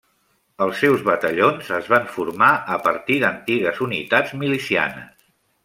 Els seus batallons es van formar a partir d'antigues unitats milicianes.